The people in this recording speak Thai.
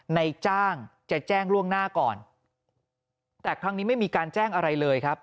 ในจ้างจะแจ้งล่วงหน้าก่อนแต่ครั้งนี้ไม่มีการแจ้งอะไรเลยครับ